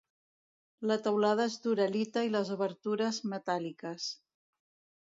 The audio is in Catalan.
La teulada és d'uralita i les obertures metàl·liques.